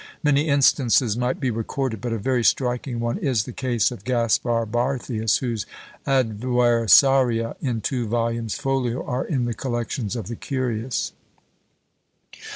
Many instances might be recorded, but a very striking one is the case of Gaspar Barthius, whose "Adversaria," in two volumes folio, are in the collections of the curious.